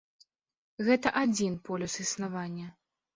Гэта адзін полюс існавання.